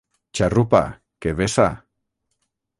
Xarrupa, que vessa.